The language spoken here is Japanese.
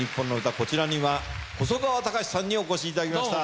こちらには細川たかしさんにお越しいただきました。